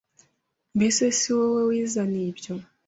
Mbese si wowe wizaniye ibyo,